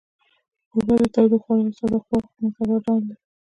ښوروا د تودوخوړو یو ساده خو معتبر ډول دی.